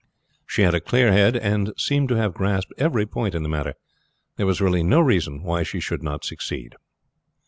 She had a clear head, and seemed to have grasped every point in the matter. There was really no reason why she should not succeed.